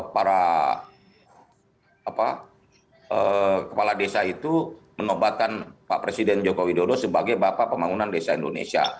para kepala desa itu menobatkan pak presiden joko widodo sebagai bapak pembangunan desa indonesia